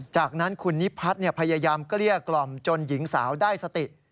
จากนั้นคุณนิพัฒน์พยายามเกลี้ยกล่อมจนหญิงสาวได้สติ